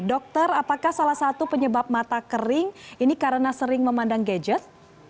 dokter apakah salah satu penyebab mata kering ini karena sering memandang gadget